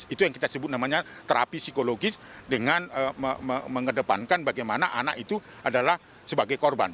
itu yang kita sebut namanya terapi psikologis dengan mengedepankan bagaimana anak itu adalah sebagai korban